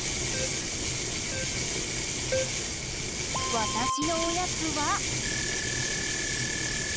わたしのおやつは。